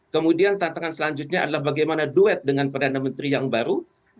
kemudian tantangan selanjutnya adalah bagaimana duet dengan perdana menteri yang baru